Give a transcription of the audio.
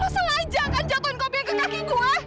lo sengaja akan jatohin kopi yang ke kaki gue